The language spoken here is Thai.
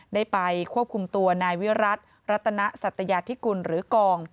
ได้ไปควบคุมตัวนายวิรัติรัตนสัตยาธิกุลหรือกอง